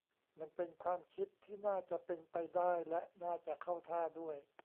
มันเป็นความคิดที่น่าจะเป็นไปได้และน่าจะเข้าท่าด้วย